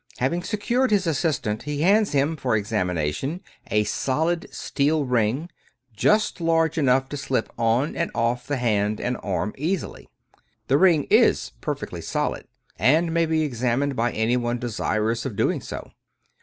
Having secured his assistant, he hands him, for examination, a solid steel ring, just large enough to slip on and off the hand and arm easily. The ring is perfectly solid, and may be examined by anyone desirous of doing so.